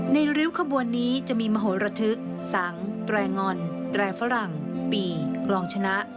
ริ้วขบวนนี้จะมีมโหระทึกสังแตรงอนแตรฝรั่งปีกลองชนะ